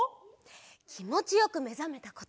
きもちよくめざめたこと。